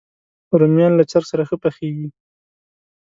رومیان له چرګ سره ښه پخېږي